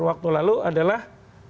waktu lalu adalah